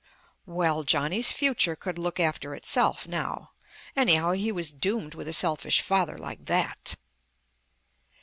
Well, Johnny's future could look after itself now; anyhow, he was doomed with a selfish father like that.